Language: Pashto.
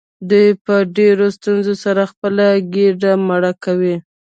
دوی په ډیرو ستونزو سره خپله ګیډه مړه کوي.